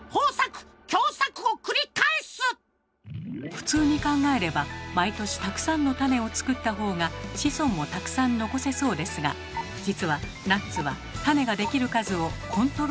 普通に考えれば毎年たくさんの種を作ったほうが子孫もたくさん残せそうですがじつはナッツは種ができる数をコントロールしているのです。